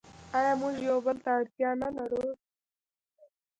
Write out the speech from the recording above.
آیا موږ یو بل ته اړتیا نلرو؟